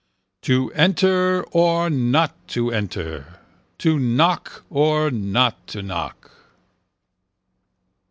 To enter or not to enter. To knock or not to knock.